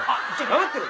黙ってろ。